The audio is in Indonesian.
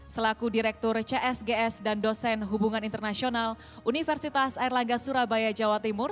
selaku direktur csgs dan dosen hubungan internasional universitas airlangga surabaya jawa timur